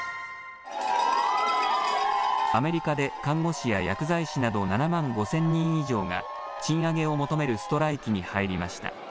アメリカで看護師や薬剤師など７万５０００人以上が賃上げを求めるストライキに入りました。